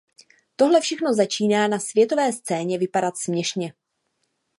Tohle všechno začíná na světové scéně vypadat směšně.